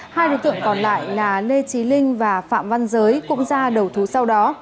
hai đối tượng còn lại là lê trí linh và phạm văn giới cũng ra đầu thú sau đó